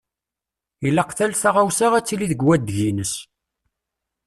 Ilaq tal taɣawsa ad tili deg wadeg-ines.